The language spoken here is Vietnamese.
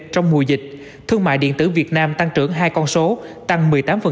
trong mùa dịch thương mại điện tử việt nam tăng trưởng hai con số tăng một mươi tám